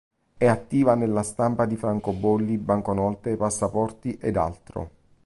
È attiva nella stampa di francobolli, banconote, passaporti ed altro.